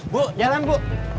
bu jalan bu